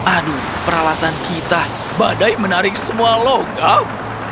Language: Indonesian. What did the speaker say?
aduh peralatan kita badai menarik semua logam